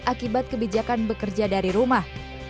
akibat kebijakan bekerja dari rumah